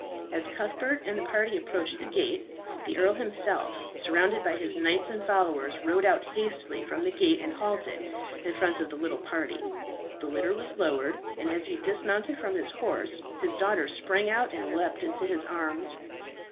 As Cuthbert and the party approached the gate, the earl himself, surrounded by his knights and followers, rode out hastily from the gate and halted in front of the little party. The litter was lowered, and as he dismounted from his horse his daughter sprang out and leapt into his arms.